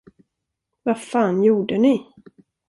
Vad fan gjorde ni?